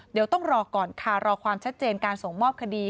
เดี๋ยวต้องรอก่อนค่ะรอความชัดเจนการส่งมอบคดี